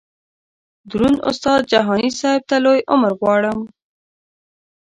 دروند استاد جهاني صیب ته لوی عمر غواړم.